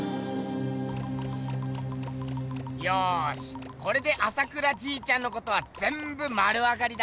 よしこれで朝倉じいちゃんのことはぜんぶ丸わかりだ！